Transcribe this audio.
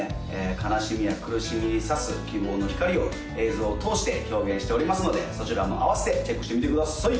悲しみや苦しみに差す希望の光を映像を通して表現しておりますのでそちらも併せてチェックしてみてください！